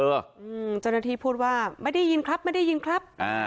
เจ้าหน้าที่พูดว่าไม่ได้ยินครับไม่ได้ยินครับอ่า